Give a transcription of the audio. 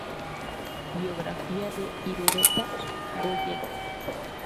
Biografía de Irureta Goyena